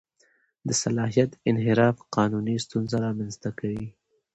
د صلاحیت انحراف قانوني ستونزه رامنځته کوي.